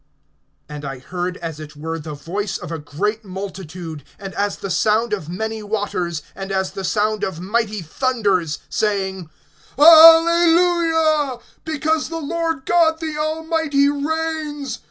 (6)And I heard as it were the voice of a great multitude, and as the sound of many waters, and as the sound of mighty thunders, saying: Alleluia; because the Lord God the Almighty reigns.